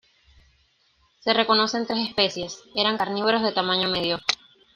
Se reconocen tres especies; eran carnívoros de tamaño medio.